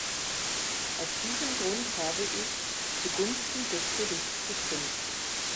Aus diesem Grund habe ich zugunsten des Berichts gestimmt.